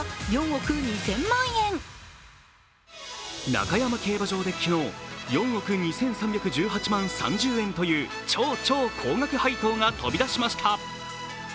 中山競馬場で昨日４億２３１８万３０円という超超高額配当が飛び出しました！